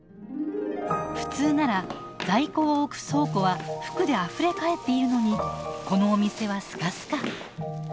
普通なら在庫を置く倉庫は服であふれ返っているのにこのお店はスカスカ。